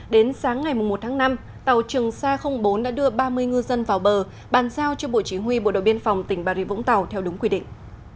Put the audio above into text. đến sáng ngày một tháng năm tàu trường sa bốn đã đưa ba mươi ngư dân vào bờ bàn giao cho bộ chỉ huy bộ đội biên phòng tỉnh bà rịa vũng tàu theo đúng quy định